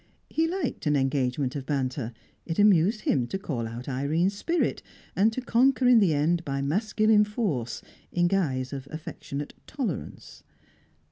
He liked an engagement of banter; it amused him to call out Irene's spirit, and to conquer in the end by masculine force in guise of affectionate tolerance.